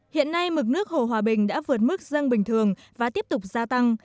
hiện nay mực nước hồ hòa bình đã vượt mức dân bình thường và tiếp tục gia tăng